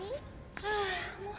はあもう。